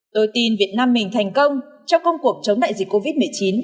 tôi tin việt nam mình thành công trong công cuộc chống đại dịch covid một mươi chín